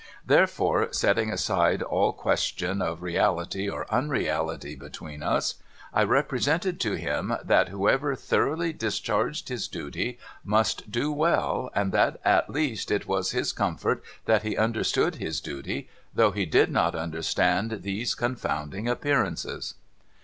Therefore, setting aside all question of reality or unreality between us, I represented to him that whoever thoroughly discharged his duty must do well, and that at least it was his comfort that he understood his duty, though he did not under stand these confounding Appearances.